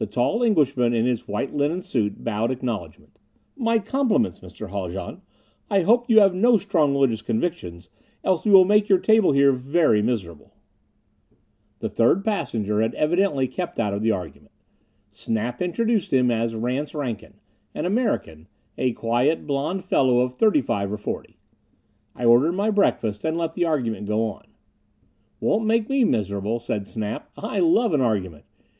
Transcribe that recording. The tall Englishman in his white linen suit bowed acknowledgment. "My compliments, Mr. Haljan. I hope you have no strong religious convictions, else we will make your table here very miserable!" The third passenger had evidently kept out of the argument. Snap introduced him as Rance Rankin. An American a quiet, blond fellow of thirty five or forty. I ordered my breakfast and let the argument go on. "Won't make me miserable," said Snap. "I love an argument.